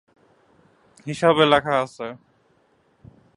হিসাবে লেখা আছে।